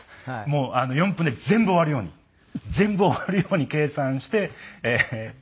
もう４分で全部終わるように全部終わるように計算して１００円を使ってましたね。